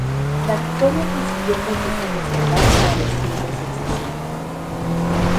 La victoria consiguió muchos años de paz para los griegos en Sicilia.